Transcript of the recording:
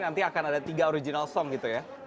nanti akan ada tiga original song gitu ya